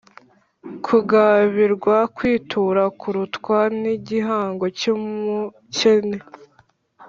Kugabirwa kwitura kurutwa n’igihango cy’umucyene.